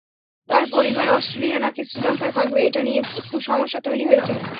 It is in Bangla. তাঁর পরিবার অস্ট্রেলিয়া নাকি শ্রীলঙ্কায় থাকবে, এটা নিয়ে একটু সমস্যা তৈরি হয়েছে।